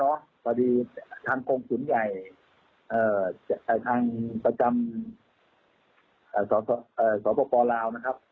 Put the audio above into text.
พอดีทางกรงศูนย์ใหญ่ทางประจำสปลาวนะครับ